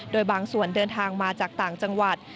โดยบางส่วนเดินทางมาจากต่างจังหวัด